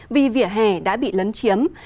vì vỉa hè đã bị lấn chiếm